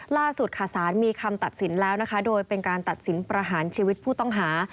ล่าสุดค่ะสารมีคำตัดสินแล้วนะคะโดยเป็นการตัดสินประหารชีวิตผู้ต้องหา